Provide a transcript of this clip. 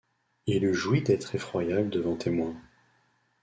Il eût joui d’être effroyable devant témoin.